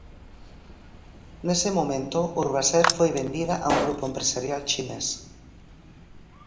Nese momento, Urbaser foi vendida a un grupo empresarial chinés.